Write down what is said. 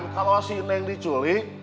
kalau si neng diculik